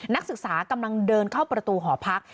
นักศึกษากำลังเดินเข้าประตูหอพัก